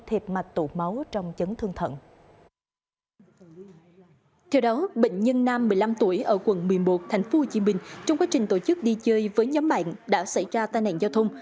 trong quá trình tổ chức đi chơi với nhóm bạn đã xảy ra tai nạn giao thông